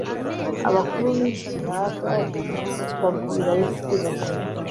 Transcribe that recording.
abakuru ba gilihadi babwira yefute, bati